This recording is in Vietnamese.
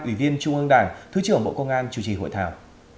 ủy viên trung ương đảng thứ trưởng bộ công an chủ trì hội thảo